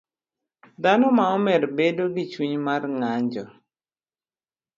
Dhano ma omer bedo gi chuny mar ng'anjo